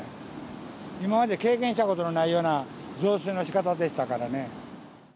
今まで経験したことのないような増水のしかたでしたからね。